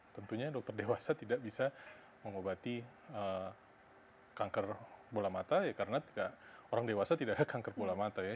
tentunya dokter dewasa tidak bisa mengobati kanker bola mata ya karena orang dewasa tidak ada kanker bola mata ya